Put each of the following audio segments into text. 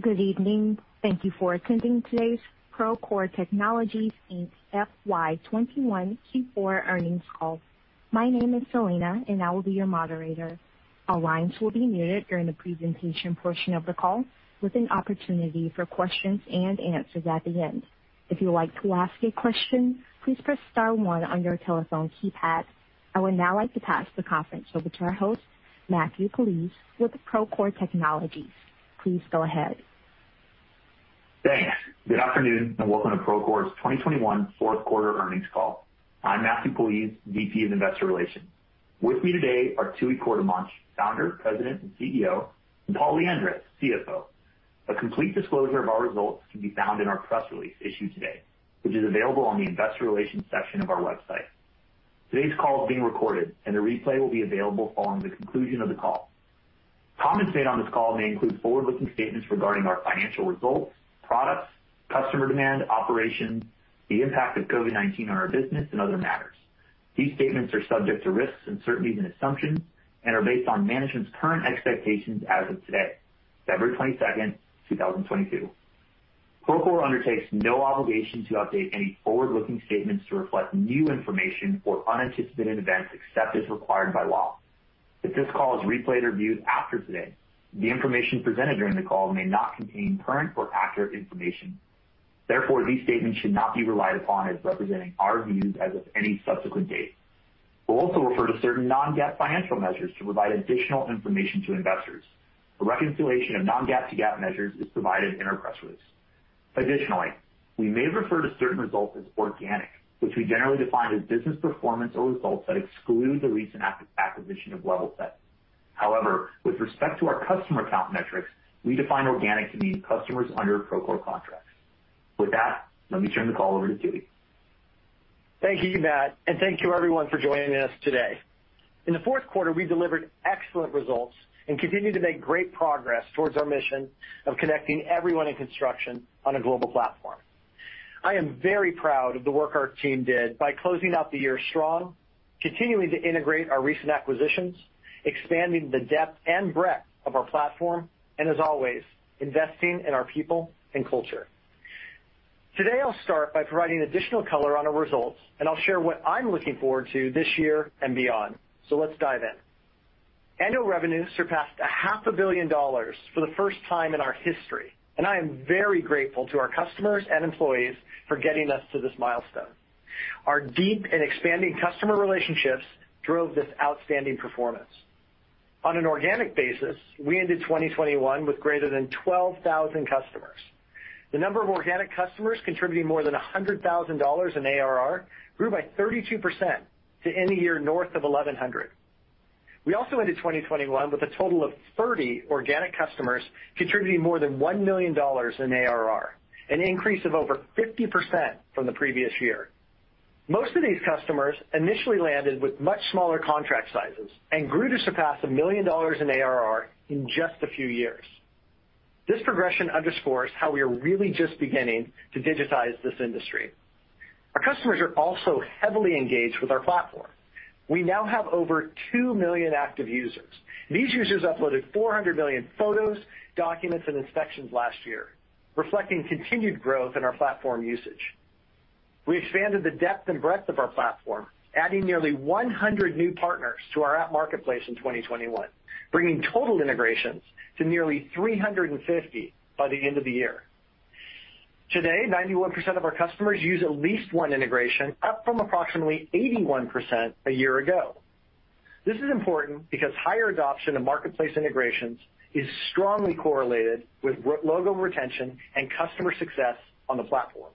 Good evening. Thank you for attending today's Procore Technologies, Inc., FY 2021 Q4 earnings call. My name is Selena, and I will be your moderator. All lines will be muted during the presentation portion of the call, with an opportunity for questions and answers at the end. If you would like to ask a question, please press star one on your telephone keypad. I would now like to pass the conference over to our host, Matthew Puljiz with Procore Technologies. Please go ahead. Thanks. Good afternoon, and welcome to Procore's 2021 fourth quarter earnings call. I'm Matthew Puljiz, VP of Investor Relations. With me today are Tooey Courtemanche, Founder, President, and CEO, and Paul Lyandres, CFO. A complete disclosure of our results can be found in our press release issued today, which is available on the investor relations section of our website. Today's call is being recorded, and a replay will be available following the conclusion of the call. Comments made on this call may include forward-looking statements regarding our financial results, products, customer demand, operations, the impact of COVID-19 on our business, and other matters. These statements are subject to risks and uncertainties and assumptions and are based on management's current expectations as of today, February 22nd, 2022. Procore undertakes no obligation to update any forward-looking statements to reflect new information or unanticipated events except as required by law. If this call is replayed or viewed after today, the information presented during the call may not contain current or accurate information. Therefore, these statements should not be relied upon as representing our views as of any subsequent date. We'll also refer to certain non-GAAP financial measures to provide additional information to investors. A reconciliation of non-GAAP to GAAP measures is provided in our press release. Additionally, we may refer to certain results as organic, which we generally define as business performance or results that exclude the recent acquisition of Levelset. However, with respect to our customer count metrics, we define organic to mean customers under Procore contracts. With that, let me turn the call over to Tooey. Thank you, Matt, and thank you everyone for joining us today. In the fourth quarter, we delivered excellent results and continued to make great progress towards our mission of connecting everyone in construction on a global platform. I am very proud of the work our team did by closing out the year strong, continuing to integrate our recent acquisitions, expanding the depth and breadth of our platform, and as always, investing in our people and culture. Today, I'll start by providing additional color on our results, and I'll share what I'm looking forward to this year and beyond. Let's dive in. Annual revenue surpassed half a billion dollars for the first time in our history, and I am very grateful to our customers and employees for getting us to this milestone. Our deep and expanding customer relationships drove this outstanding performance. On an organic basis, we ended 2021 with greater than 12,000 customers. The number of organic customers contributing more than $100,000 in ARR grew by 32% to end the year north of 1,100. We also ended 2021 with a total of 30 organic customers contributing more than $1 million in ARR, an increase of over 50% from the previous year. Most of these customers initially landed with much smaller contract sizes and grew to surpass $1 million in ARR in just a few years. This progression underscores how we are really just beginning to digitize this industry. Our customers are also heavily engaged with our platform. We now have over 2 million active users. These users uploaded 400 million photos, documents, and inspections last year, reflecting continued growth in our platform usage. We expanded the depth and breadth of our platform, adding nearly 100 new partners to our app marketplace in 2021, bringing total integrations to nearly 350 by the end of the year. Today, 91% of our customers use at least one integration, up from approximately 81% a year ago. This is important because higher adoption of marketplace integrations is strongly correlated with logo retention and customer success on the platform.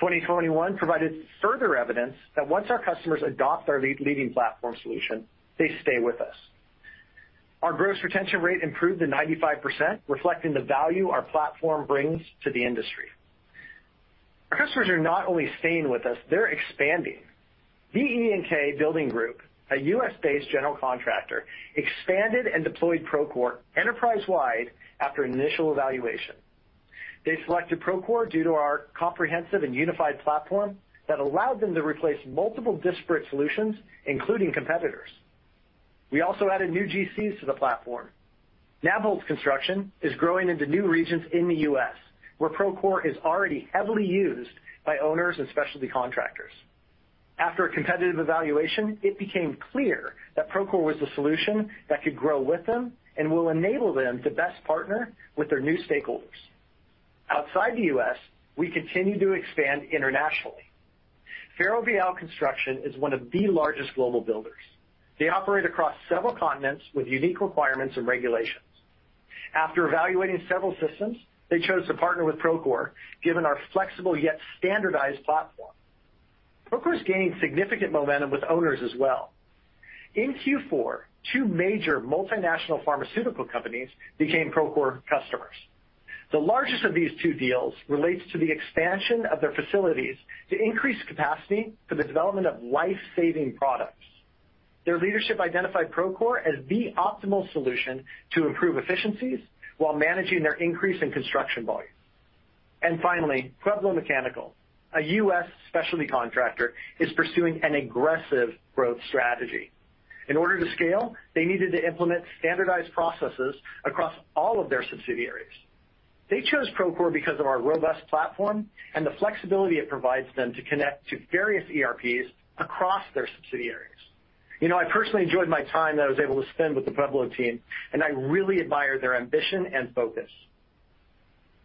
2021 provided further evidence that once our customers adopt our leading platform solution, they stay with us. Our gross retention rate improved to 95%, reflecting the value our platform brings to the industry. Our customers are not only staying with us, they're expanding. BE&K Building Group, a U.S.-based general contractor, expanded and deployed Procore enterprise-wide after initial evaluation. They selected Procore due to our comprehensive and unified platform that allowed them to replace multiple disparate solutions, including competitors. We also added new GCs to the platform. Nabholz Construction is growing into new regions in the U.S., where Procore is already heavily used by owners and specialty contractors. After a competitive evaluation, it became clear that Procore was the solution that could grow with them and will enable them to best partner with their new stakeholders. Outside the U.S., we continue to expand internationally. Ferrovial Construction is one of the largest global builders. They operate across several continents with unique requirements and regulations. After evaluating several systems, they chose to partner with Procore, given our flexible yet standardized platform. Procore's gained significant momentum with owners as well. In Q4, two major multinational pharmaceutical companies became Procore customers. The largest of these two deals relates to the expansion of their facilities to increase capacity for the development of life-saving products. Their leadership identified Procore as the optimal solution to improve efficiencies while managing their increase in construction volume. Finally, Pueblo Mechanical, a U.S. specialty contractor, is pursuing an aggressive growth strategy. In order to scale, they needed to implement standardized processes across all of their subsidiaries. They chose Procore because of our robust platform and the flexibility it provides them to connect to various ERPs across their subsidiaries. You know, I personally enjoyed my time that I was able to spend with the Pueblo team, and I really admire their ambition and focus.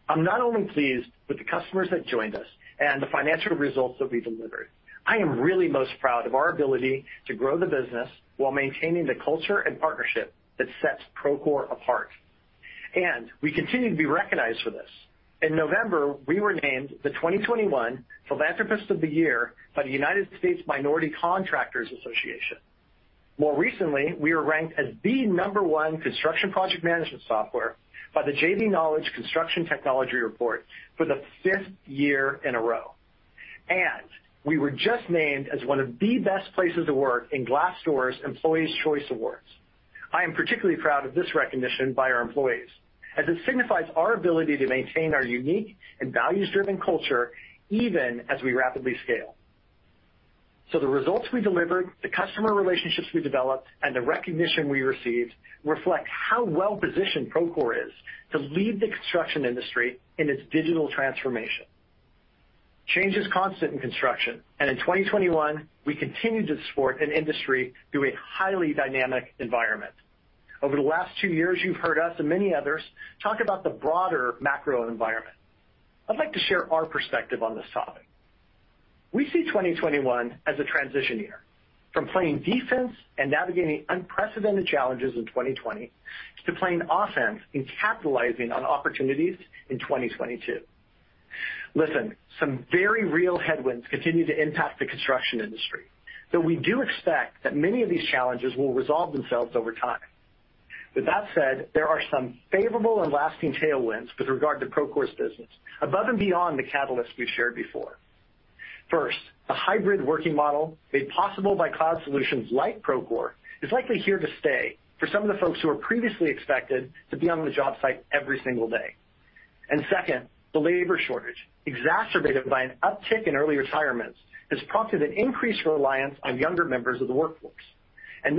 I'm not only pleased with the customers that joined us and the financial results that we delivered, I am really most proud of our ability to grow the business while maintaining the culture and partnership that sets Procore apart. We continue to be recognized for this. In November, we were named the 2021 Philanthropist of the Year by the United States Minority Contractors Association. More recently, we were ranked as the number one construction project management software by the JBKnowledge Construction Technology Report for the fifth year in a row. We were just named as one of the best places to work in Glassdoor's Employees' Choice Awards. I am particularly proud of this recognition by our employees, as it signifies our ability to maintain our unique and values-driven culture, even as we rapidly scale. The results we delivered, the customer relationships we developed, and the recognition we received reflect how well-positioned Procore is to lead the construction industry in its digital transformation. Change is constant in construction, and in 2021, we continued to support an industry through a highly dynamic environment. Over the last two years, you've heard us and many others talk about the broader macro environment. I'd like to share our perspective on this topic. We see 2021 as a transition year from playing defense and navigating unprecedented challenges in 2020 to playing offense and capitalizing on opportunities in 2022. Listen, some very real headwinds continue to impact the construction industry, though we do expect that many of these challenges will resolve themselves over time. With that said, there are some favorable and lasting tailwinds with regard to Procore's business above and beyond the catalysts we've shared before. First, the hybrid working model made possible by cloud solutions like Procore is likely here to stay for some of the folks who were previously expected to be on the job site every single day. Second, the labor shortage, exacerbated by an uptick in early retirements, has prompted an increased reliance on younger members of the workforce.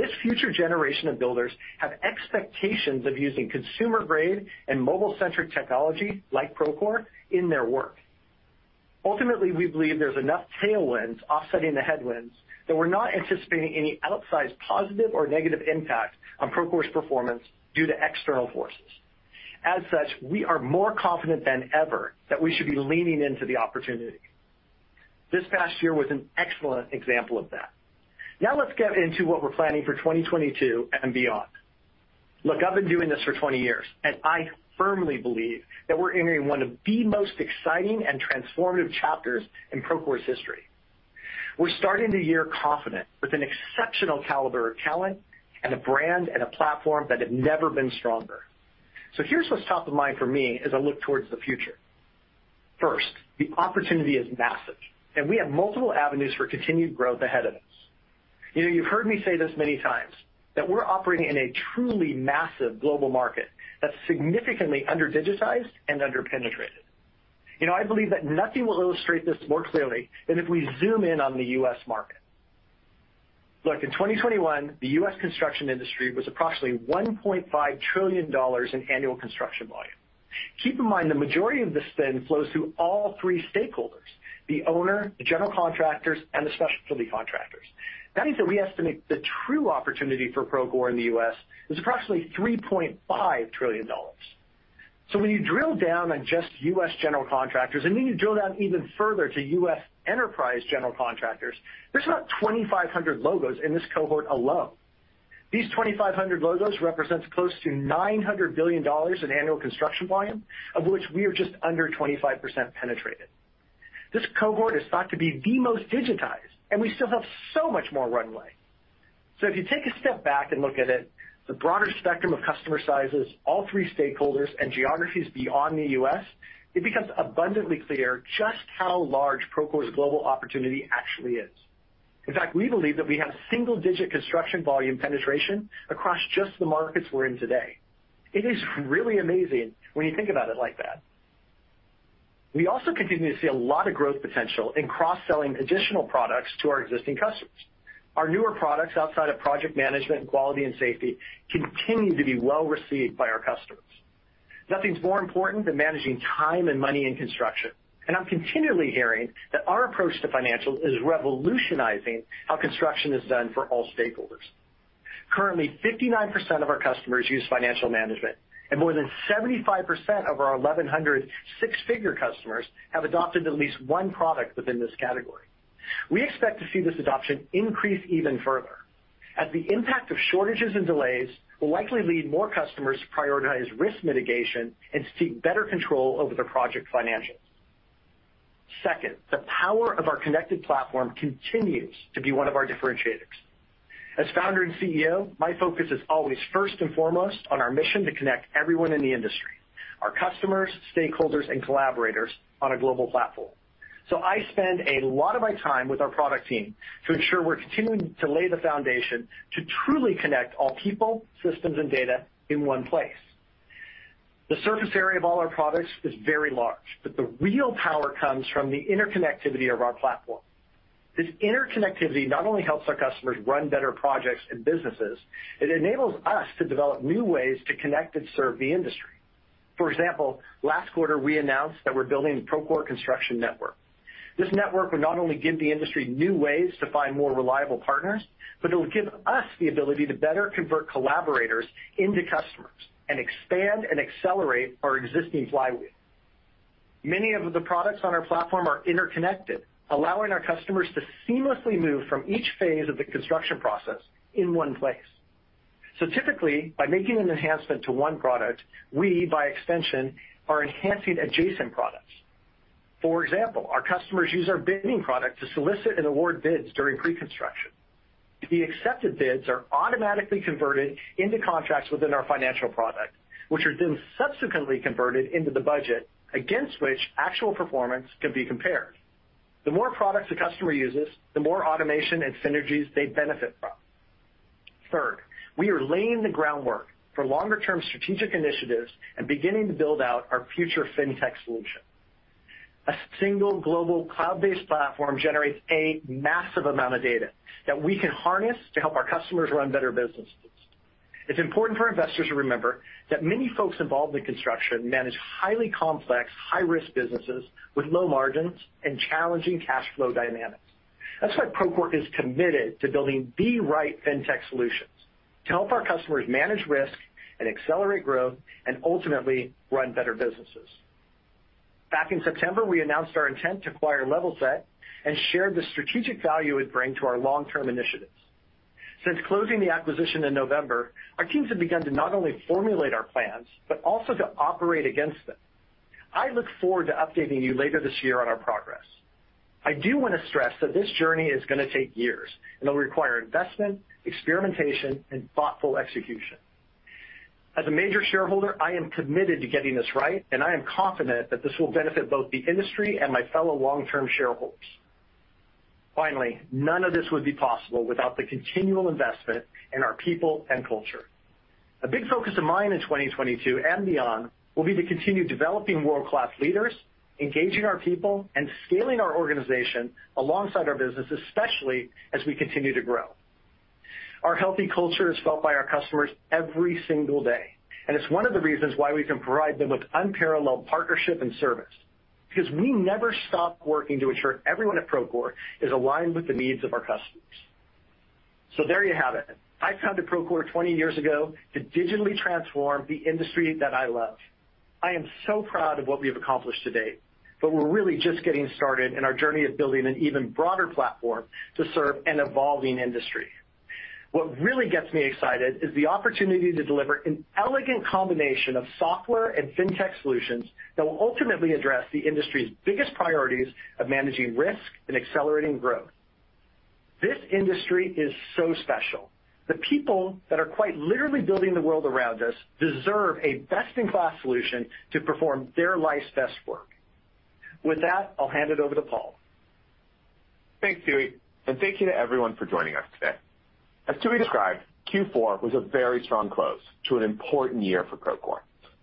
This future generation of builders have expectations of using consumer-grade and mobile-centric technology like Procore in their work. Ultimately, we believe there's enough tailwinds offsetting the headwinds that we're not anticipating any outsized positive or negative impact on Procore's performance due to external forces. As such, we are more confident than ever that we should be leaning into the opportunity. This past year was an excellent example of that. Now let's get into what we're planning for 2022 and beyond. Look, I've been doing this for 20 years, and I firmly believe that we're entering one of the most exciting and transformative chapters in Procore's history. We're starting the year confident with an exceptional caliber of talent and a brand and a platform that have never been stronger. Here's what's top of mind for me as I look towards the future. First, the opportunity is massive, and we have multiple avenues for continued growth ahead of us. You know, you've heard me say this many times, that we're operating in a truly massive global market that's significantly under-digitized and under-penetrated. You know, I believe that nothing will illustrate this more clearly than if we zoom in on the U.S. market. Look, in 2021, the U.S. construction industry was approximately $1.5 trillion in annual construction volume. Keep in mind, the majority of this spend flows through all three stakeholders, the owner, the general contractors, and the specialty contractors. That means that we estimate the true opportunity for Procore in the U.S. is approximately $3.5 trillion. When you drill down on just U.S. general contractors, and when you drill down even further to U.S. enterprise general contractors, there's about 2,500 logos in this cohort alone. These 2,500 logos represents close to $900 billion in annual construction volume, of which we are just under 25% penetrated. This cohort is thought to be the most digitized, and we still have so much more runway. If you take a step back and look at it, the broader spectrum of customer sizes, all three stakeholders, and geographies beyond the U.S., it becomes abundantly clear just how large Procore's global opportunity actually is. In fact, we believe that we have single-digit construction volume penetration across just the markets we're in today. It is really amazing when you think about it like that. We also continue to see a lot of growth potential in cross-selling additional products to our existing customers. Our newer products outside of project management, quality, and safety continue to be well-received by our customers. Nothing's more important than managing time and money in construction, and I'm continually hearing that our approach to financials is revolutionizing how construction is done for all stakeholders. Currently, 59% of our customers use financial management, and more than 75% of our 1,100 six-figure customers have adopted at least one product within this category. We expect to see this adoption increase even further, as the impact of shortages and delays will likely lead more customers to prioritize risk mitigation and seek better control over their project financials. Second, the power of our connected platform continues to be one of our differentiators. As Founder and CEO, my focus is always first and foremost on our mission to connect everyone in the industry, our customers, stakeholders, and collaborators on a global platform. So I spend a lot of my time with our product team to ensure we're continuing to lay the foundation to truly connect all people, systems, and data in one place. The surface area of all our products is very large, but the real power comes from the interconnectivity of our platform. This interconnectivity not only helps our customers run better projects and businesses, it enables us to develop new ways to connect and serve the industry. For example, last quarter, we announced that we're building the Procore Construction Network. This network will not only give the industry new ways to find more reliable partners, but it will give us the ability to better convert collaborators into customers and expand and accelerate our existing flywheel. Many of the products on our platform are interconnected, allowing our customers to seamlessly move from each phase of the construction process in one place. Typically, by making an enhancement to one product, we, by extension, are enhancing adjacent products. For example, our customers use our bidding product to solicit and award bids during pre-construction. The accepted bids are automatically converted into contracts within our financial product, which are then subsequently converted into the budget against which actual performance can be compared. The more products the customer uses, the more automation and synergies they benefit from. Third, we are laying the groundwork for longer-term strategic initiatives and beginning to build out our future fintech solution. A single global cloud-based platform generates a massive amount of data that we can harness to help our customers run better businesses. It's important for investors to remember that many folks involved in construction manage highly complex, high-risk businesses with low margins and challenging cash flow dynamics. That's why Procore is committed to building the right fintech solutions to help our customers manage risk and accelerate growth and ultimately run better businesses. Back in September, we announced our intent to acquire Levelset and shared the strategic value it would bring to our long-term initiatives. Since closing the acquisition in November, our teams have begun to not only formulate our plans, but also to operate against them. I look forward to updating you later this year on our progress. I do want to stress that this journey is gonna take years, and it'll require investment, experimentation, and thoughtful execution. As a major shareholder, I am committed to getting this right, and I am confident that this will benefit both the industry and my fellow long-term shareholders. Finally, none of this would be possible without the continual investment in our people and culture. A big focus of mine in 2022 and beyond will be to continue developing world-class leaders, engaging our people, and scaling our organization alongside our business, especially as we continue to grow. Our healthy culture is felt by our customers every single day, and it's one of the reasons why we can provide them with unparalleled partnership and service. Because we never stop working to ensure everyone at Procore is aligned with the needs of our customers. There you have it. I founded Procore 20 years ago to digitally transform the industry that I love. I am so proud of what we have accomplished to date, but we're really just getting started in our journey of building an even broader platform to serve an evolving industry. What really gets me excited is the opportunity to deliver an elegant combination of software and fintech solutions that will ultimately address the industry's biggest priorities of managing risk and accelerating growth. This industry is so special. The people that are quite literally building the world around us deserve a best-in-class solution to perform their life's best work. With that, I'll hand it over to Paul. Thanks, Tooey, and thank you to everyone for joining us today. As Tooey described, Q4 was a very strong close to an important year for Procore.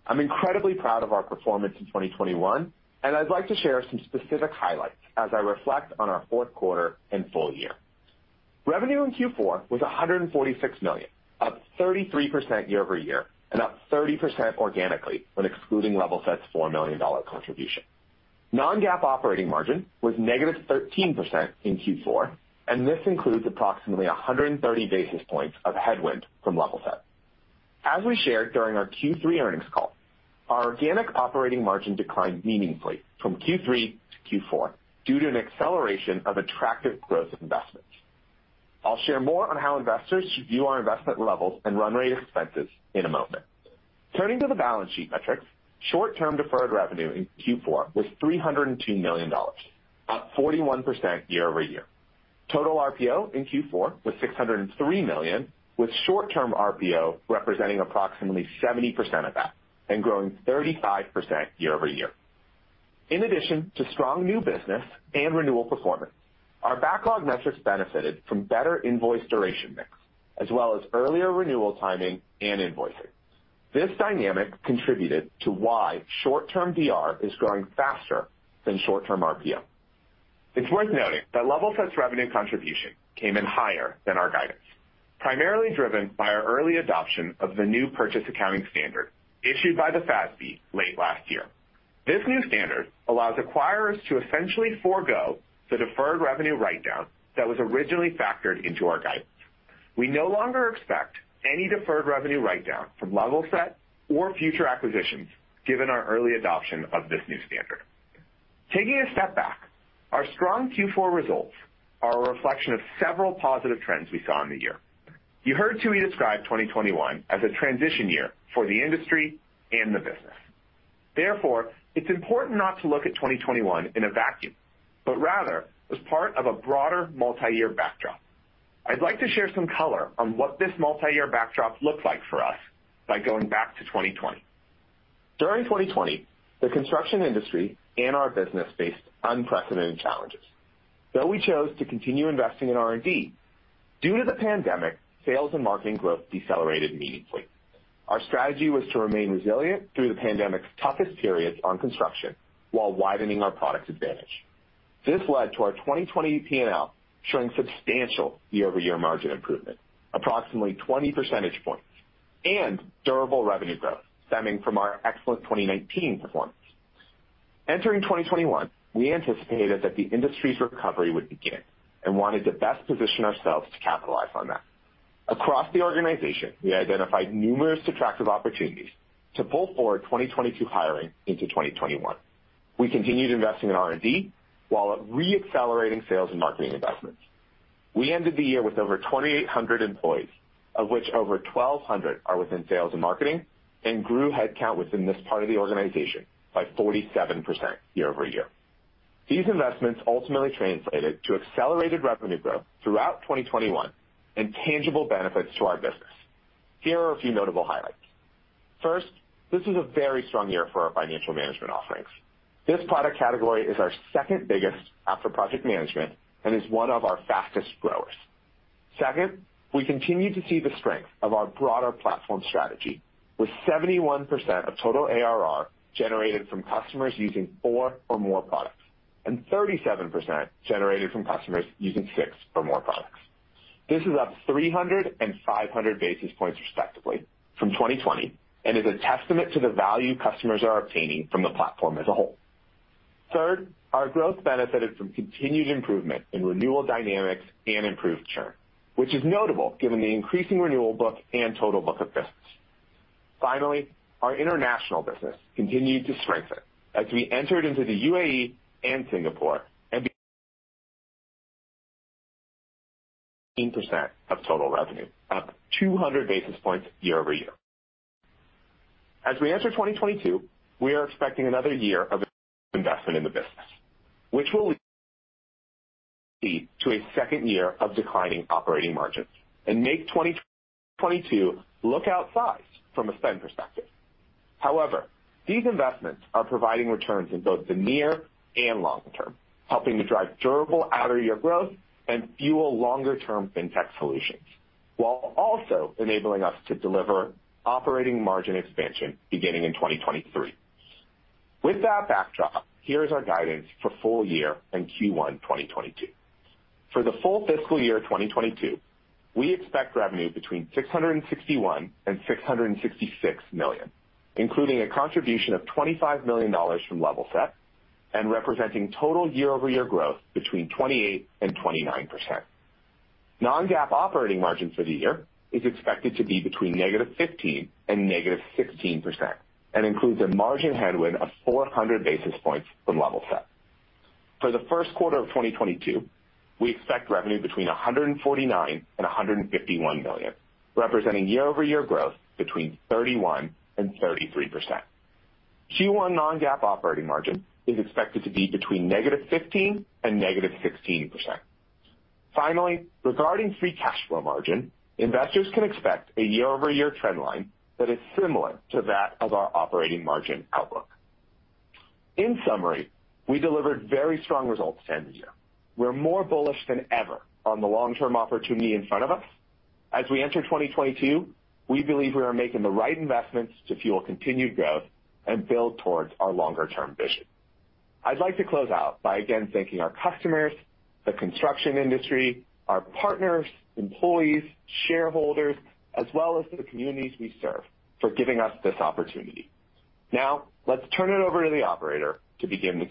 I'm incredibly proud of our performance in 2021, and I'd like to share some specific highlights as I reflect on our fourth quarter and full year. Revenue in Q4 was $146 million, up 33% year-over-year and up 30% organically when excluding Levelset's $4 million contribution. Non-GAAP operating margin was -13% in Q4, and this includes approximately 130 basis points of headwind from Levelset. As we shared during our Q3 earnings call, our organic operating margin declined meaningfully from Q3 to Q4 due to an acceleration of attractive growth investments. I'll share more on how investors should view our investment levels and run rate expenses in a moment. Turning to the balance sheet metrics, short-term deferred revenue in Q4 was $302 million, up 41% year-over-year. Total RPO in Q4 was $603 million, with short-term RPO representing approximately 70% of that and growing 35% year-over-year. In addition to strong new business and renewal performance, our backlog metrics benefited from better invoice duration mix as well as earlier renewal timing and invoicing. This dynamic contributed to why short-term DR is growing faster than short-term RPO. It's worth noting that Levelset's revenue contribution came in higher than our guidance, primarily driven by our early adoption of the new purchase accounting standard issued by the FASB late last year. This new standard allows acquirers to essentially forego the deferred revenue write-down that was originally factored into our guidance. We no longer expect any deferred revenue write-down from Levelset or future acquisitions given our early adoption of this new standard. Taking a step back, our strong Q4 results are a reflection of several positive trends we saw in the year. You heard Tooey describe 2021 as a transition year for the industry and the business. Therefore, it's important not to look at 2021 in a vacuum, but rather as part of a broader multi-year backdrop. I'd like to share some color on what this multi-year backdrop looks like for us by going back to 2020. During 2020, the construction industry and our business faced unprecedented challenges. Though we chose to continue investing in R&D, due to the pandemic, sales and marketing growth decelerated meaningfully. Our strategy was to remain resilient through the pandemic's toughest periods in construction while widening our product advantage. This led to our 2020 P&L showing substantial year-over-year margin improvement, approximately 20 percentage points, and durable revenue growth stemming from our excellent 2019 performance. Entering 2021, we anticipated that the industry's recovery would begin and wanted to best position ourselves to capitalize on that. Across the organization, we identified numerous attractive opportunities to pull forward 2022 hiring into 2021. We continued investing in R&D while re-accelerating sales and marketing investments. We ended the year with over 2,800 employees, of which over 1,200 are within sales and marketing, and grew headcount within this part of the organization by 47% year-over-year. These investments ultimately translated to accelerated revenue growth throughout 2021 and tangible benefits to our business. Here are a few notable highlights. First, this is a very strong year for our financial management offerings. This product category is our second biggest after project management and is one of our fastest growers. Second, we continue to see the strength of our broader platform strategy, with 71% of total ARR generated from customers using four or more products, and 37% generated from customers using six or more products. This is up 300 and 500 basis points respectively from 2020 and is a testament to the value customers are obtaining from the platform as a whole. Third, our growth benefited from continued improvement in renewal dynamics and improved churn, which is notable given the increasing renewal book and total book of business. Finally, our international business continued to strengthen as we entered into the UAE and Singapore and percent of total revenue, up 200 basis points year-over-year. As we enter 2022, we are expecting another year of investment in the business, which will lead to a second year of declining operating margins and make 2022 look outsized from a spend perspective. However, these investments are providing returns in both the near and long term, helping to drive durable outer year growth and fuel longer-term fintech solutions, while also enabling us to deliver operating margin expansion beginning in 2023. With that backdrop, here's our guidance for full year and Q1 2022. For the full fiscal year 2022, we expect revenue between $661 million and $666 million, including a contribution of $25 million from Levelset and representing total year-over-year growth between 28% and 29%. Non-GAAP operating margin for the year is expected to be between -15% and -16% and includes a margin headwind of 400 basis points from Levelset. For the first quarter of 2022, we expect revenue between $149 million and $151 million, representing year-over-year growth between 31% and 33%. Q1 non-GAAP operating margin is expected to be between -15% and -16%. Finally, regarding free cash flow margin, investors can expect a year-over-year trend line that is similar to that of our operating margin outlook. In summary, we delivered very strong results at the end of the year. We're more bullish than ever on the long-term opportunity in front of us. As we enter 2022, we believe we are making the right investments to fuel continued growth and build towards our longer-term vision. I'd like to close out by again thanking our customers, the construction industry, our partners, employees, shareholders, as well as the communities we serve for giving us this opportunity. Now, let's turn it over to the operator to begin the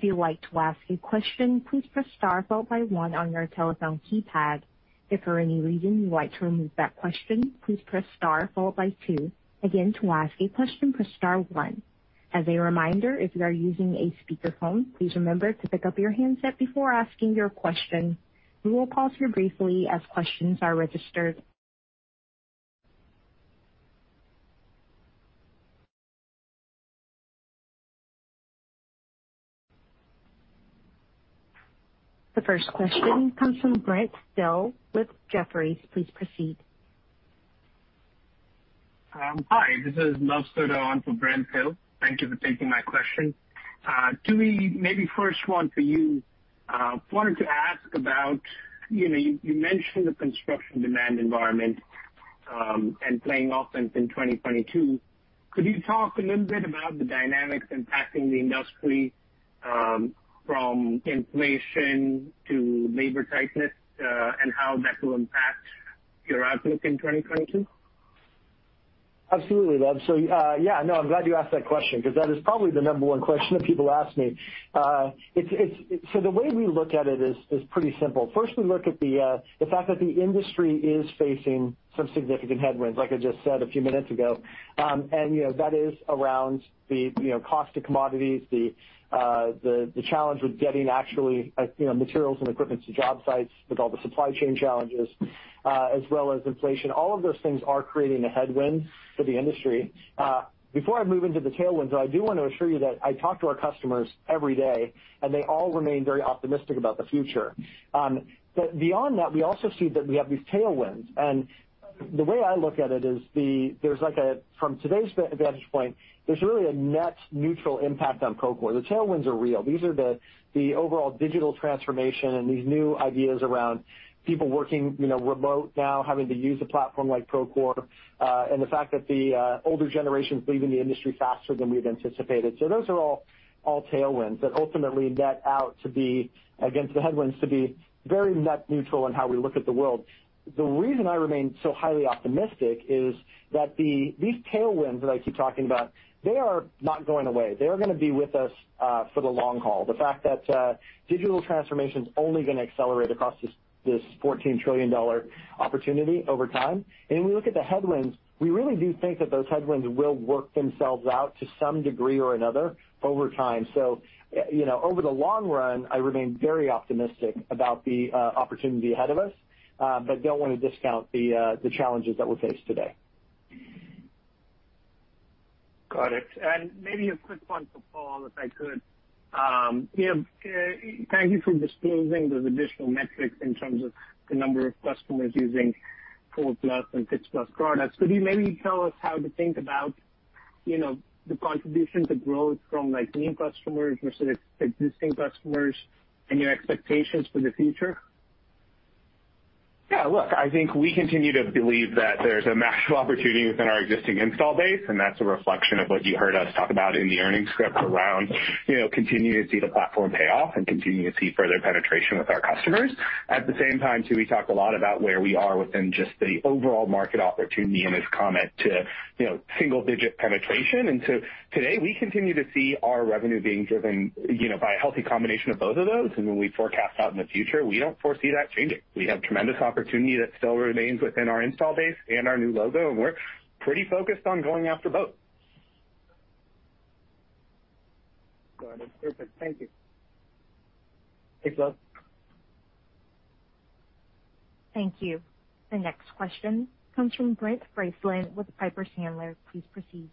Q&A. The first question comes from Brent Thill with Jefferies. Please proceed. Hi, this is Luv Sodha on for Brent Thill. Thank you for taking my question. Tooey, maybe first one for you. Wanted to ask about, you know, you mentioned the construction demand environment, and playing offense in 2022. Could you talk a little bit about the dynamics impacting the industry, from inflation to labor tightness, and how that will impact your outlook in 2022? Absolutely, Luv. Yeah, no, I'm glad you asked that question because that is probably the number one question that people ask me. The way we look at it is pretty simple. First, we look at the fact that the industry is facing some significant headwinds, like I just said a few minutes ago. You know, that is around the you know, cost of commodities, the challenge with getting actually, you know, materials and equipment to job sites with all the supply chain challenges, as well as inflation. All of those things are creating a headwind for the industry. Before I move into the tailwinds, I do want to assure you that I talk to our customers every day, and they all remain very optimistic about the future. Beyond that, we also see that we have these tailwinds. The way I look at it is from today's vantage point, there's really a net neutral impact on Procore. The tailwinds are real. These are the overall digital transformation and these new ideas around people working, you know, remote now, having to use a platform like Procore, and the fact that the older generation is leaving the industry faster than we've anticipated. Those are all tailwinds that ultimately net out to be, against the headwinds, to be very net neutral in how we look at the world. The reason I remain so highly optimistic is that these tailwinds that I keep talking about, they are not going away. They are gonna be with us for the long haul. The fact that digital transformation is only gonna accelerate across this $14 trillion opportunity over time. When we look at the headwinds, we really do think that those headwinds will work themselves out to some degree or another over time. You know, over the long run, I remain very optimistic about the opportunity ahead of us, but don't want to discount the challenges that we face today. Got it. Maybe a quick one for Paul, if I could. You know, thank you for disclosing those additional metrics in terms of the number of customers using 4+ and 6+ products. Could you maybe tell us how to think about, you know, the contribution to growth from like new customers versus existing customers and your expectations for the future? Yeah, look, I think we continue to believe that there's a massive opportunity within our existing install base, and that's a reflection of what you heard us talk about in the earnings script around, you know, continuing to see the platform pay off and continuing to see further penetration with our customers. At the same time, too, we talk a lot about where we are within just the overall market opportunity and his comment to, you know, single-digit penetration. Today, we continue to see our revenue being driven, you know, by a healthy combination of both of those. When we forecast out in the future, we don't foresee that changing. We have tremendous opportunity that still remains within our install base and our new logo, and we're pretty focused on going after both. Got it. Perfect. Thank you. Thanks, Luv. Thank you. The next question comes from Brent Bracelin with Piper Sandler. Please proceed.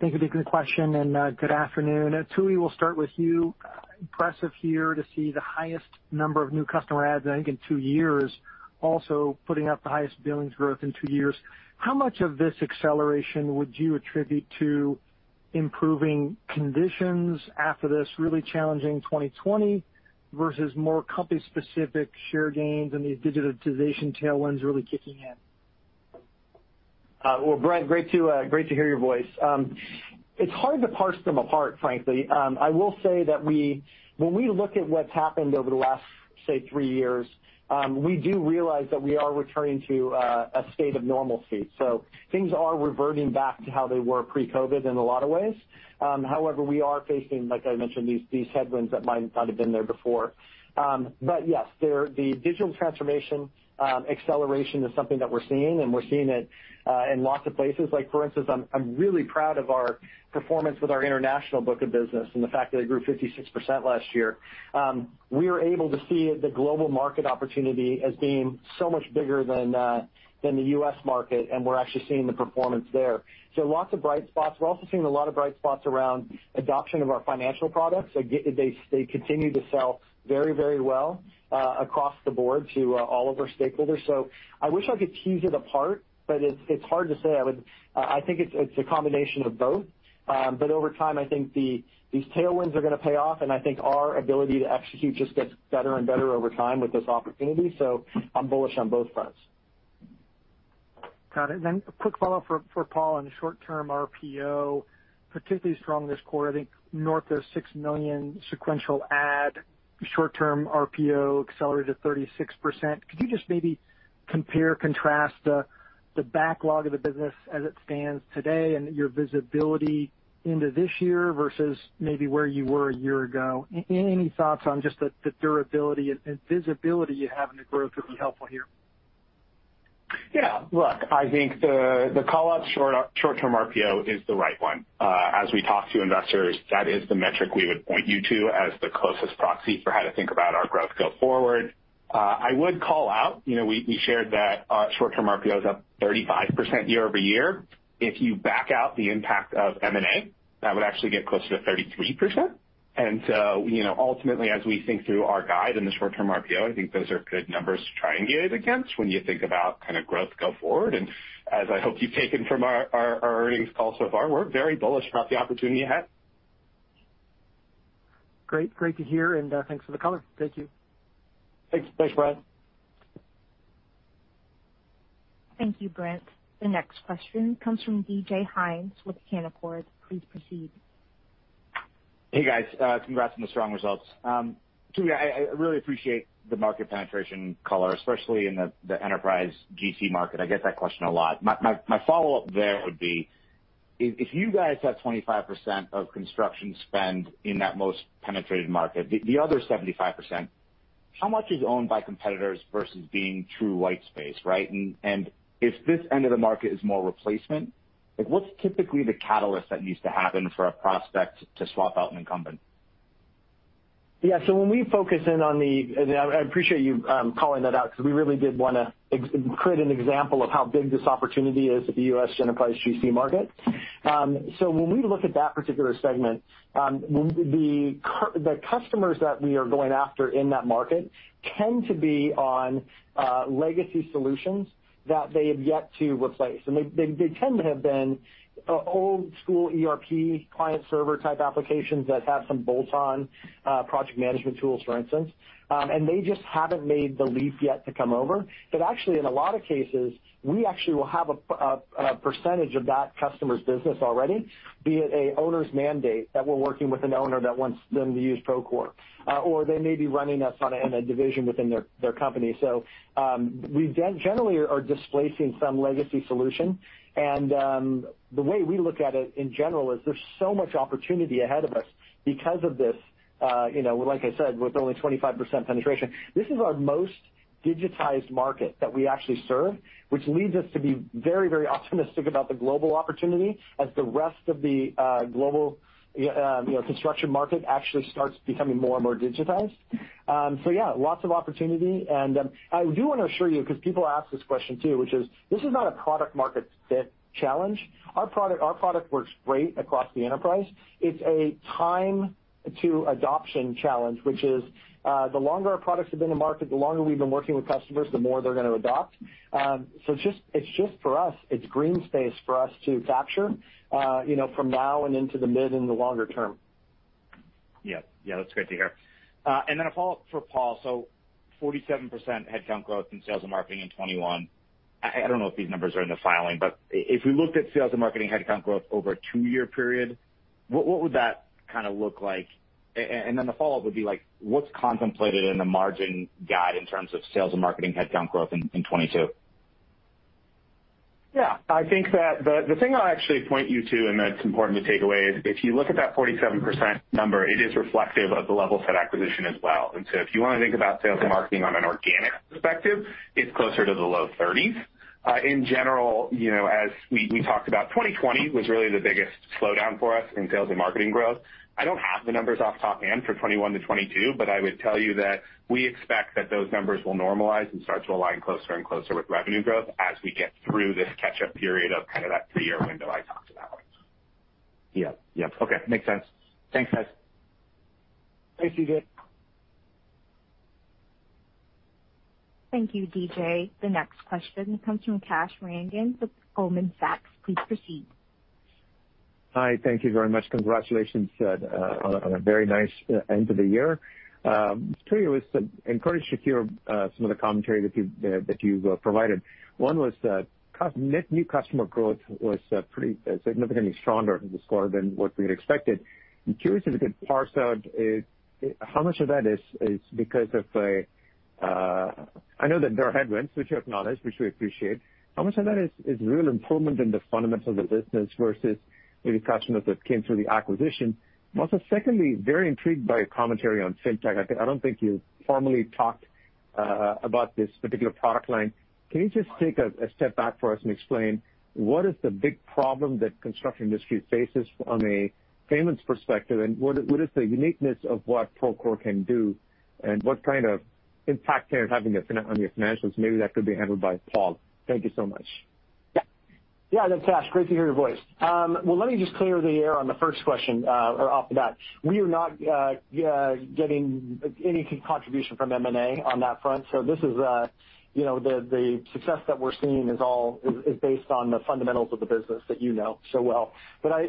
Thank you for taking the question, and, good afternoon. Tooey, we'll start with you. Impressive here to see the highest number of new customer adds, I think, in two years, also putting up the highest billings growth in two years. How much of this acceleration would you attribute to improving conditions after this really challenging 2020 versus more company-specific share gains and these digitalization tailwinds really kicking in? Well, Brent, great to hear your voice. It's hard to parse them apart, frankly. I will say that when we look at what's happened over the last, say, three years, we do realize that we are returning to a state of normalcy. Things are reverting back to how they were pre-COVID in a lot of ways. However, we are facing, like I mentioned, these headwinds that might not have been there before. Yes, the digital transformation acceleration is something that we're seeing, and we're seeing it in lots of places. Like, for instance, I'm really proud of our performance with our international book of business and the fact that it grew 56% last year. We are able to see the global market opportunity as being so much bigger than the U.S. market, and we're actually seeing the performance there. Lots of bright spots. We're also seeing a lot of bright spots around adoption of our financial products. They continue to sell very, very well across the board to all of our stakeholders. I wish I could tease it apart, but it's hard to say. I think it's a combination of both. Over time, I think these tailwinds are gonna pay off, and I think our ability to execute just gets better and better over time with this opportunity. I'm bullish on both fronts. Got it. Then a quick follow-up for Paul on the short-term RPO, particularly strong this quarter, I think north of $6 million sequential add. Short-term RPO accelerated 36%. Could you just maybe compare, contrast the backlog of the business as it stands today and your visibility into this year versus maybe where you were a year ago? Any thoughts on just the durability and visibility you have in the growth would be helpful here. Yeah. Look, I think the call-out short-term RPO is the right one. As we talk to investors, that is the metric we would point you to as the closest proxy for how to think about our growth going forward. I would call out, you know, we shared that short-term RPO is up 35% year-over-year. If you back out the impact of M&A, that would actually get closer to 33%. Ultimately, as we think through our guide and the short-term RPO, I think those are good numbers to triangulate against when you think about kind of growth going forward. As I hope you've taken from our earnings call so far, we're very bullish about the opportunity ahead. Great. Great to hear, and, thanks for the color. Thank you. Thanks. Thanks, Brent. Thank you, Brent. The next question comes from DJ Hynes with Canaccord. Please proceed. Hey guys, congrats on the strong results. Too, I really appreciate the market penetration color, especially in the enterprise GC market. I get that question a lot. My follow-up there would be if you guys have 25% of construction spend in that most penetrated market, the other 75%, how much is owned by competitors versus being true white space, right? If this end of the market is more replacement, like what's typically the catalyst that needs to happen for a prospect to swap out an incumbent? When we focus in on the, I appreciate you calling that out because we really did want to create an example of how big this opportunity is at the U.S. enterprise GC market. When we look at that particular segment, the customers that we are going after in that market tend to be on legacy solutions that they have yet to replace. They tend to have been old school ERP client server type applications that have some bolt-on project management tools, for instance. They just haven't made the leap yet to come over. Actually, in a lot of cases, we actually will have a percentage of that customer's business already, be it an owner's mandate that we're working with an owner that wants them to use Procore, or they may be running us in a division within their company. We generally are displacing some legacy solution. The way we look at it in general is there's so much opportunity ahead of us because of this, you know, like I said, with only 25% penetration. This is our most digitized market that we actually serve, which leads us to be very, very optimistic about the global opportunity as the rest of the global, you know, construction market actually starts becoming more and more digitized. Yeah, lots of opportunity. I do wanna assure you because people ask this question too, which is this is not a product market fit challenge. Our product works great across the enterprise. It's a time to adoption challenge, which is, the longer our products have been in the market, the longer we've been working with customers, the more they're gonna adopt. It's just for us, it's green space for us to capture, you know, from now and into the mid and the longer term. Yeah. Yeah, that's great to hear. A follow-up for Paul. 47% headcount growth in sales and marketing in 2021. I don't know if these numbers are in the filing, but if we looked at sales and marketing headcount growth over a two-year period, what would that kinda look like? The follow-up would be like, what's contemplated in the margin guide in terms of sales and marketing headcount growth in 2022? Yeah. I think that the thing I'll actually point you to, and that's important to take away, is if you look at that 47% number, it is reflective of the Levelset acquisition as well. If you wanna think about sales and marketing on an organic perspective, it's closer to the low 30. In general, you know, as we talked about, 2020 was really the biggest slowdown for us in sales and marketing growth. I don't have the numbers off the top of my head for 2021 to 2022, but I would tell you that we expect that those numbers will normalize and start to align closer and closer with revenue growth as we get through this catch-up period of kind of that three-year window I talked about. Yeah. Yeah. Okay. Makes sense. Thanks, guys. Thanks, DJ. Thank you, DJ. The next question comes from Kash Rangan with Goldman Sachs. Please proceed. Hi. Thank you very much. Congratulations on a very nice end of the year. Two areas that I was encouraged to hear some of the commentary that you've provided. One was net new customer growth was pretty significantly stronger in this quarter than what we had expected. I'm curious if you could parse out how much of that is because of. I know that there are headwinds which you acknowledged, which we appreciate. How much of that is real improvement in the fundamentals of the business versus maybe customers that came through the acquisition? Also, secondly, very intrigued by your commentary on Financials. I don't think you formally talked about this particular product line. Can you just take a step back for us and explain what is the big problem that construction industry faces from a payments perspective, and what is the uniqueness of what Procore can do and what kind of impact they're having on your financials? Maybe that could be handled by Paul. Thank you so much. Kash, great to hear your voice. Let me just clear the air on the first question right off the bat. We are not getting any contribution from M&A on that front. This is, you know, the success that we're seeing is all based on the fundamentals of the business that you know so well.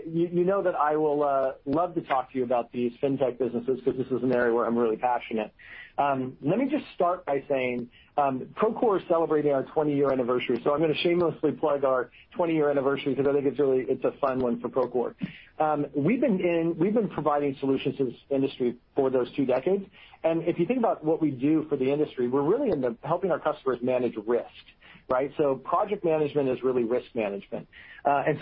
You know that I will love to talk to you about these fintech businesses because this is an area where I'm really passionate. Let me just start by saying, Procore is celebrating our 20-year anniversary, so I'm gonna shamelessly plug our 20-year anniversary because I think it's really a fun one for Procore. We've been providing solutions to this industry for those two decades, and if you think about what we do for the industry, we're really in the helping our customers manage risk, right? Project management is really risk management.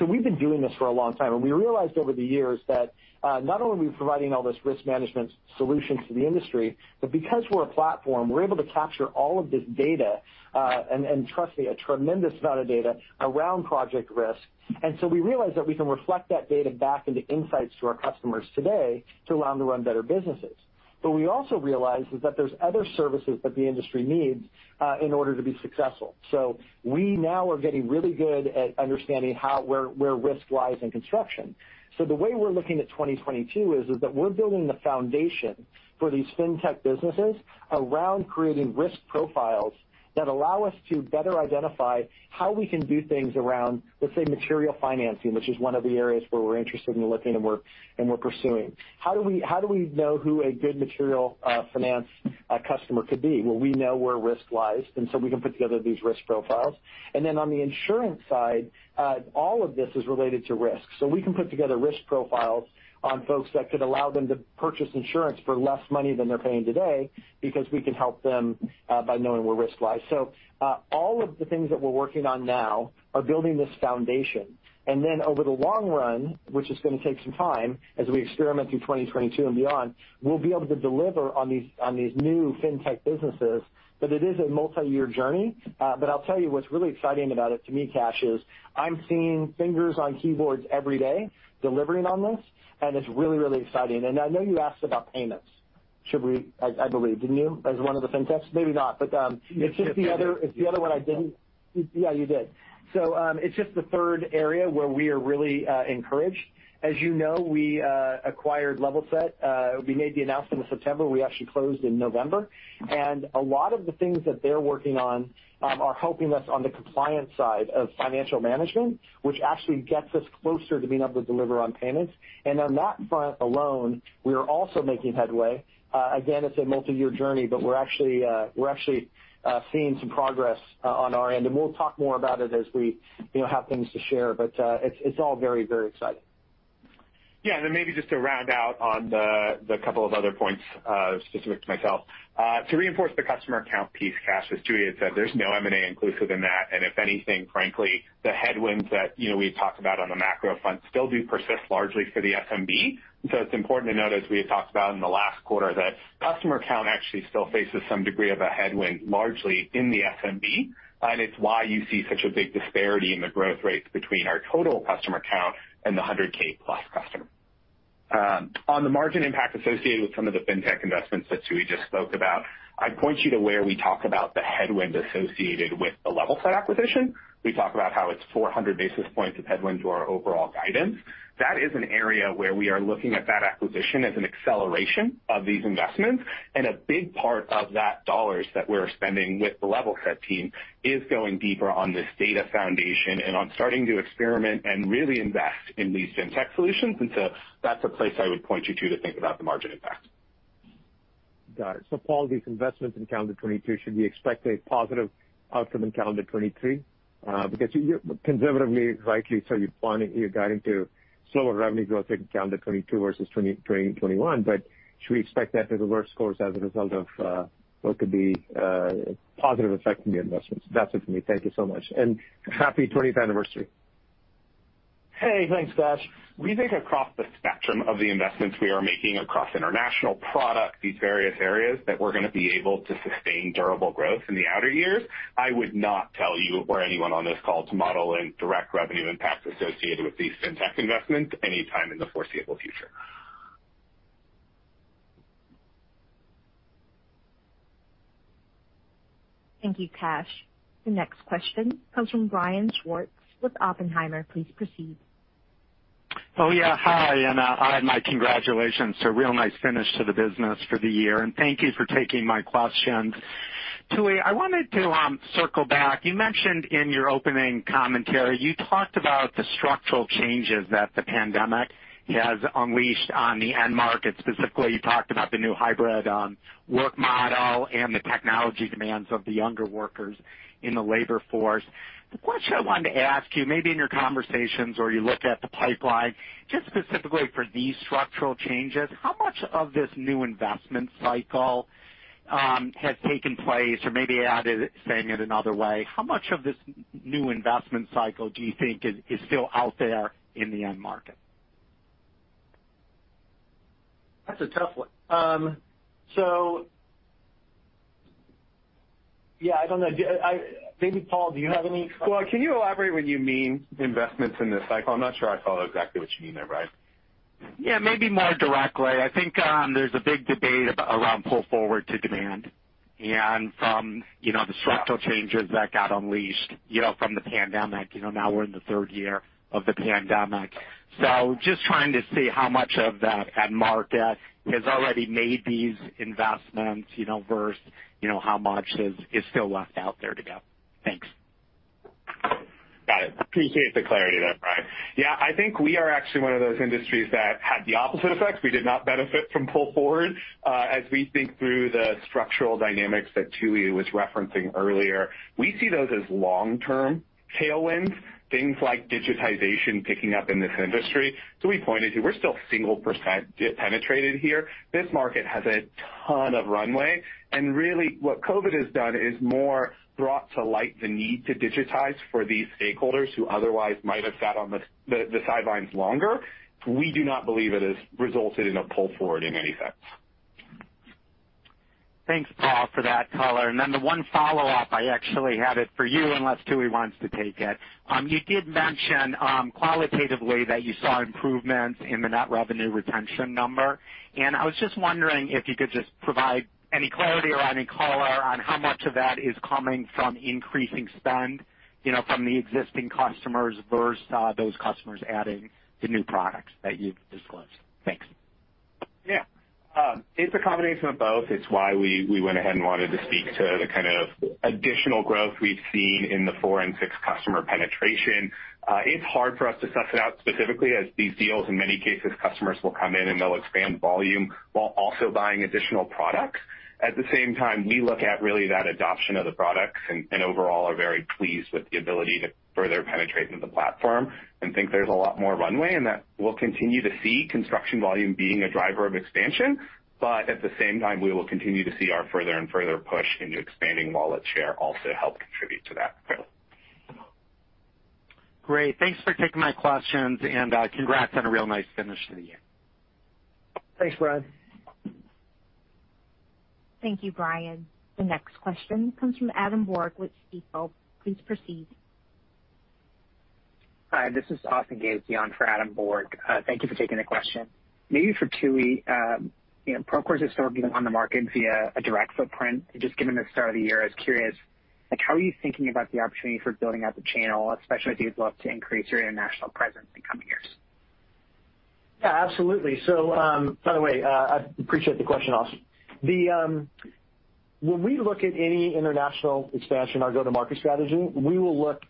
We've been doing this for a long time, and we realized over the years that not only are we providing all this risk management solutions to the industry, but because we're a platform, we're able to capture all of this data, and trust me, a tremendous amount of data around project risk. We realized that we can reflect that data back into insights to our customers today to allow them to run better businesses. What we also realized is that there's other services that the industry needs in order to be successful. We now are getting really good at understanding how, where risk lies in construction. The way we're looking at 2022 is that we're building the foundation for these Fintech businesses around creating risk profiles that allow us to better identify how we can do things around, let's say, material financing, which is one of the areas where we're interested in looking and we're pursuing. How do we know who a good material finance customer could be? Well, we know where risk lies, and so we can put together these risk profiles. Then on the insurance side, all of this is related to risk. We can put together risk profiles on folks that could allow them to purchase insurance for less money than they're paying today because we can help them by knowing where risk lies. All of the things that we're working on now are building this foundation. Then over the long run, which is gonna take some time as we experiment through 2022 and beyond, we'll be able to deliver on these new fintech businesses. It is a multiyear journey. I'll tell you what's really exciting about it to me, Kash, is I'm seeing fingers on keyboards every day delivering on this, and it's really exciting. I know you asked about payments. I believe, didn't you, as one of the fintechs? Maybe not. Yeah, you did. It's just the third area where we are really encouraged. As you know, we acquired Levelset. We made the announcement in September. We actually closed in November. A lot of the things that they're working on are helping us on the compliance side of financial management, which actually gets us closer to being able to deliver on payments. On that front alone, we are also making headway. Again, it's a multiyear journey, but we're actually seeing some progress on our end. We'll talk more about it as we, you know, have things to share. It's all very, very exciting. Yeah. Maybe just to round out on the couple of other points specific to myself. To reinforce the customer count piece, Kash, as Tooey had said, there's no M&A inclusive in that. If anything, frankly, the headwinds that, you know, we talked about on the macro front still do persist largely for the SMB. It's important to note, as we had talked about in the last quarter, that customer count actually still faces some degree of a headwind, largely in the SMB. It's why you see such a big disparity in the growth rates between our total customer count and the 100,000 plus customer. On the margin impact associated with some of the fintech investments that Tooey just spoke about, I'd point you to where we talk about the headwind associated with the Levelset acquisition. We talk about how it's 400 basis points of headwind to our overall guidance. That is an area where we are looking at that acquisition as an acceleration of these investments. A big part of those dollars that we're spending with the Levelset team is going deeper on this data foundation and on starting to experiment and really invest in these fintech solutions. That's a place I would point you to think about the margin impact. Got it. Paul, these investments in calendar 2022, should we expect a positive outcome in calendar 2023? Because you conservatively, rightly so, you're guiding to slower revenue growth in calendar 2022 versus 2021. Should we expect that to reverse course as a result of what could be a positive effect from the investments? That's it for me. Thank you so much. Happy 20th anniversary. Hey, thanks, Kash. We think across the spectrum of the investments we are making across international product, these various areas that we're gonna be able to sustain durable growth in the outer years. I would not tell you or anyone on this call to model in direct revenue impacts associated with these fintech investments anytime in the foreseeable future. Thank you, Kash. The next question comes from Brian Schwartz with Oppenheimer. Please proceed. Oh, yeah. Hi, I have my congratulations to a real nice finish to the business for the year. Thank you for taking my questions. Tooey, I wanted to circle back. You mentioned in your opening commentary, you talked about the structural changes that the pandemic has unleashed on the end market. Specifically, you talked about the new hybrid work model and the technology demands of the younger workers in the labor force. The question I wanted to ask you, maybe in your conversations or you look at the pipeline just specifically for these structural changes, how much of this new investment cycle has taken place? Or maybe saying it another way, how much of this new investment cycle do you think is still out there in the end market? That's a tough one. I don't know. Maybe Paul, do you have any- Well, can you elaborate on what you mean by investments in this cycle? I'm not sure I follow exactly what you mean there, Brian. Yeah, maybe more directly. I think, there's a big debate around pull-forward of demand and from, you know, the structural changes that got unleashed, you know, from the pandemic. You know, now we're in the third year of the pandemic. Just trying to see how much of that end market has already made these investments, you know, versus, you know, how much is still left out there to go. Thanks. Got it. Appreciate the clarity there, Brian. Yeah, I think we are actually one of those industries that had the opposite effect. We did not benefit from pull forward. As we think through the structural dynamics that Tooey was referencing earlier, we see those as long-term tailwinds, things like digitization picking up in this industry. Tooey pointed out that we're still single-digit percent penetration here. This market has a ton of runway. Really what COVID has done is more brought to light the need to digitize for these stakeholders who otherwise might have sat on the sidelines longer. We do not believe it has resulted in a pull forward in any sense. Thanks, Paul, for that color. Then the one follow-up I actually had it for you, unless Tooey wants to take it. You did mention, qualitatively, that you saw improvements in the net revenue retention number. I was just wondering if you could just provide any clarity or any color on how much of that is coming from increasing spend, you know, from the existing customers versus, those customers adding the new products that you've disclosed. Thanks. Yeah. It's a combination of both. It's why we went ahead and wanted to speak to the kind of additional growth we've seen in the four and six customer penetration. It's hard for us to suss it out specifically as these deals, in many cases, customers will come in, and they'll expand volume while also buying additional products. At the same time, we look at really that adoption of the products and overall are very pleased with the ability to further penetrate into the platform and think there's a lot more runway and that we'll continue to see construction volume being a driver of expansion. At the same time, we will continue to see our further and further push into expanding wallet share also help contribute to that growth. Great. Thanks for taking my questions, and, congrats on a real nice finish to the year. Thanks, Brian. Thank you, Brian. The next question comes from Adam Borg with Stifel. Please proceed. Hi, this is Austin Gewecke on for Adam Borg. Thank you for taking the question. Maybe for Tooey, you know, Procore's historically been on the market via a direct footprint. Just given the start of the year, I was curious, like, how are you thinking about the opportunity for building out the channel, especially as you'd love to increase your international presence in coming years? Yeah, absolutely. By the way, I appreciate the question, Austin. When we look at any international expansion, our go-to-market strategy, we will look,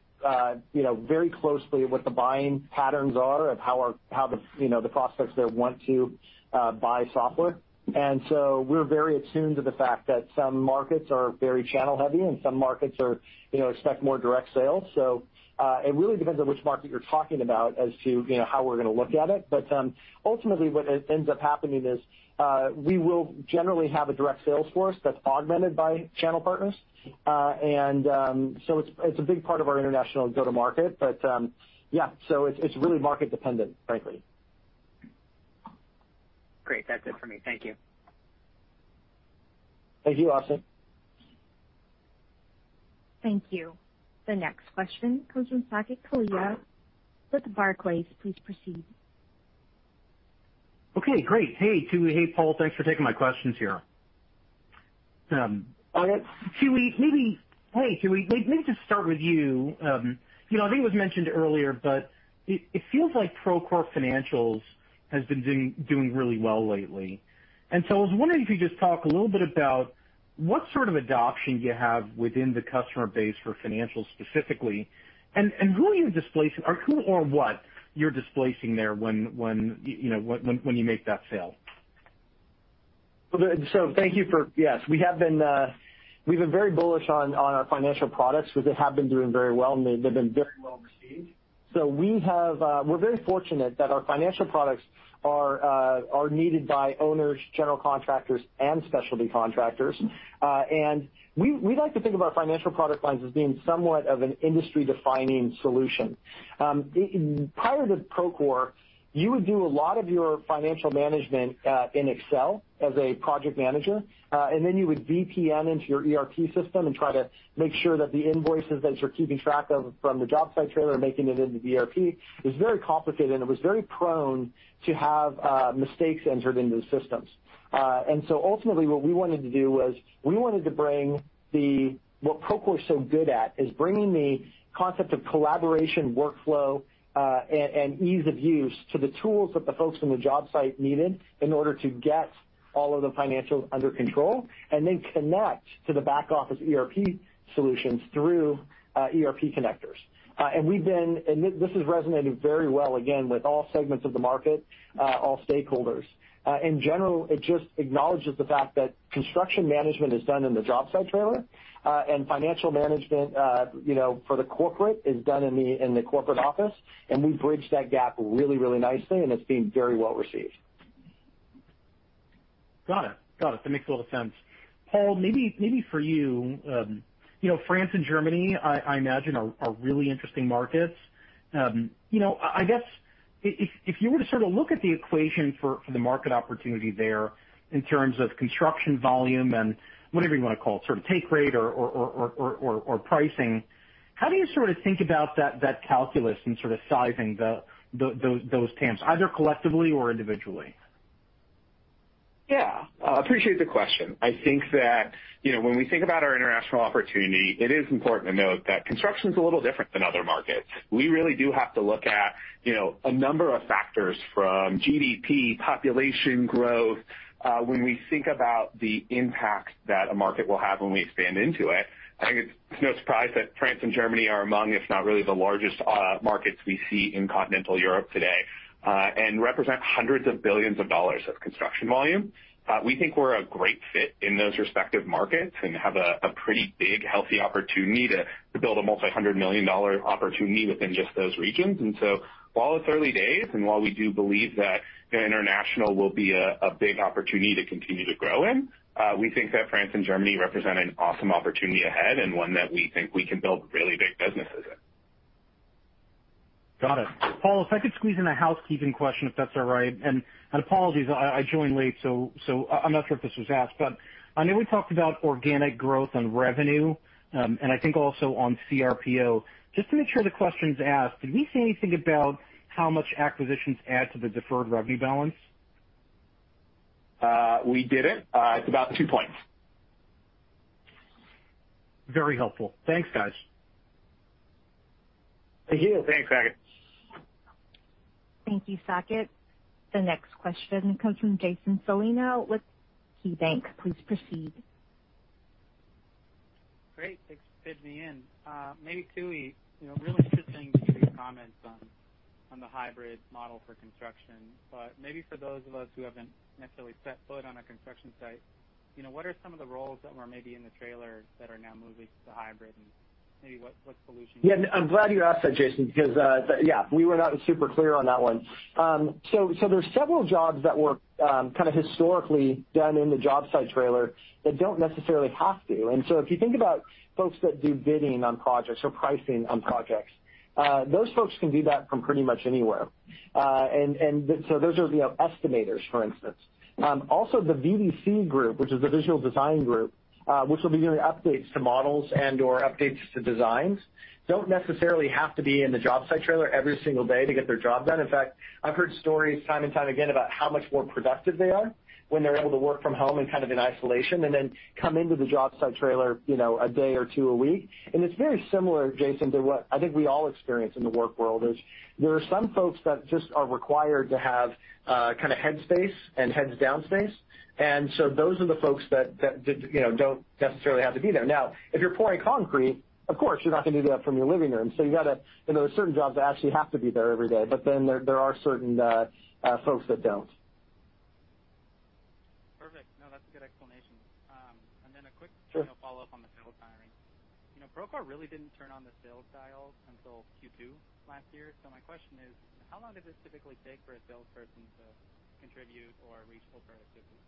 you know, very closely at what the buying patterns are and how the, you know, the prospects there want to buy software. We're very attuned to the fact that some markets are very channel-heavy, and some markets are, you know, expect more direct sales. It really depends on which market you're talking about as to, you know, how we're gonna look at it. Ultimately, what ends up happening is, we will generally have a direct sales force that's augmented by channel partners. It's a big part of our international go-to-market. Yeah, it's really market dependent, frankly. Great. That's it for me. Thank you. Thank you, Austin. Thank you. The next question comes from Saket Kalia with Barclays. Please proceed. Okay, great. Hey, Tooey. Hey, Paul. Thanks for taking my questions here. Tooey, maybe just start with you. You know, I think it was mentioned earlier, but it feels like Procore Financials has been doing really well lately. I was wondering if you could just talk a little bit about what sort of adoption you have within the customer base for financials specifically, and who are you displacing or who or what you're displacing there when, you know, when you make that sale? Yes, we have been, we've been very bullish on our financial products because they have been doing very well, and they've been very well received. We have, we're very fortunate that our financial products are needed by owners, general contractors, and specialty contractors. We like to think of our financial product lines as being somewhat of an industry-defining solution. Prior to Procore, you would do a lot of your financial management in Excel as a project manager, and then you would VPN into your ERP system and try to make sure that the invoices that you're keeping track of from the job site trailer and making it into the ERP. It was very complicated, and it was very prone to have mistakes entered into the systems. Ultimately, what we wanted to do was we wanted to bring what Procore is so good at is bringing the concept of collaboration, workflow, and ease of use to the tools that the folks on the job site needed in order to get all of the financials under control and then connect to the back office ERP solutions through ERP connectors. This has resonated very well, again, with all segments of the market, all stakeholders. In general, it just acknowledges the fact that construction management is done in the job site trailer, and financial management, you know, for the corporate is done in the corporate office, and we bridge that gap really nicely, and it's being very well received. Got it. That makes a lot of sense. Paul, maybe for you know, France and Germany I imagine are really interesting markets. You know, I guess if you were to sort of look at the equation for the market opportunity there in terms of construction volume and whatever you wanna call it, sort of take rate or pricing, how do you sort of think about that calculus and sort of sizing those TAMs, either collectively or individually? Yeah. I appreciate the question. I think that, you know, when we think about our international opportunity, it is important to note that construction is a little different than other markets. We really do have to look at, you know, a number of factors from GDP, population growth, when we think about the impact that a market will have when we expand into it. I think it's no surprise that France and Germany are among, if not really the largest, markets we see in continental Europe today, and represent hundreds of billions of construction volume. We think we're a great fit in those respective markets and have a pretty big, healthy opportunity to build a multi-hundred million opportunity within just those regions. While it's early days, and while we do believe that the international will be a big opportunity to continue to grow in, we think that France and Germany represent an awesome opportunity ahead and one that we think we can build really big businesses in. Got it. Paul, if I could squeeze in a housekeeping question, if that's all right. Apologies, I joined late, so I'm not sure if this was asked, but I know we talked about organic growth on revenue, and I think also on CRPO. Just to make sure the question's asked, did we say anything about how much acquisitions add to the deferred revenue balance? We did it. It's about two points. Very helpful. Thanks, guys. Thank you. Thanks, Saket. Thank you, Saket. The next question comes from Jason Celino with KeyBanc. Please proceed. Great. Thanks for fitting me in. Maybe, Tooey, you know, really interesting to hear your comments on the hybrid model for construction. Maybe for those of us who haven't necessarily set foot on a construction site, you know, what are some of the roles that were maybe in the trailer that are now moving to hybrid and maybe what solutions- Yeah, I'm glad you asked that, Jason, because, yeah, we were not super clear on that one. So there's several jobs that were kinda historically done in the job site trailer that don't necessarily have to. If you think about folks that do bidding on projects or pricing on projects, those folks can do that from pretty much anywhere. Those are the estimators, for instance. Also the VDC group, which is the visual design group, which will be doing updates to models and/or updates to designs, don't necessarily have to be in the job site trailer every single day to get their job done. In fact, I've heard stories time and time again about how much more productive they are when they're able to work from home and kind of in isolation and then come into the job site trailer, you know, a day or two a week. It's very similar, Jason, to what I think we all experience in the work world. There are some folks that just are required to have kinda head space and heads down space. Those are the folks that you know don't necessarily have to be there. Now, if you're pouring concrete, of course, you're not gonna do that from your living room. You gotta you know there's certain jobs that actually have to be there every day, but then there are certain folks that don't. Perfect. No, that's a good explanation. A quick Sure. You know, follow-up on the sales hiring. You know, Procore really didn't turn on the sales dial until Q2 last year. My question is, how long does this typically take for a salesperson to contribute or reach full productivity?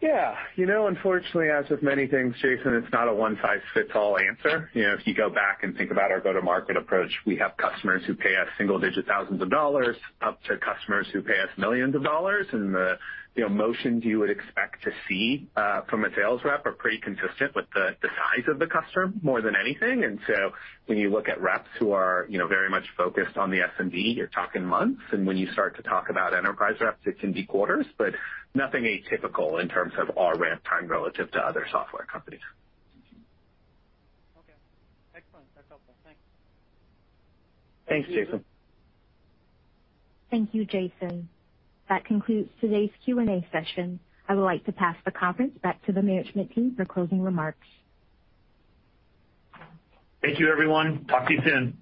Yeah. You know, unfortunately, as with many things, Jason, it's not a one-size-fits-all answer. You know, if you go back and think about our go-to-market approach, we have customers who pay us single-digit thousands of dollars, up to customers who pay us millions of dollars. The, you know, motions you would expect to see from a sales rep are pretty consistent with the size of the customer more than anything. When you look at reps who are, you know, very much focused on the SMB, you're talking months. When you start to talk about enterprise reps, it can be quarters, but nothing atypical in terms of our ramp time relative to other software companies. Okay. Excellent. That's helpful. Thanks. Thanks, Jason. Thank you, Jason. That concludes today's Q&A session. I would like to pass the conference back to the management team for closing remarks. Thank you, everyone. Talk to you soon.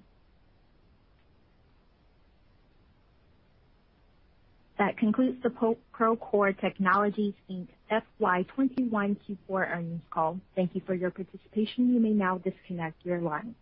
That concludes the Procore Technologies, Inc., FY 2021 Q4 earnings call. Thank you for your participation. You may now disconnect your line.